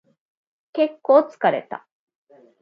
結構疲れた